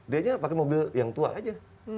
dianya pakai mobil yang tua aja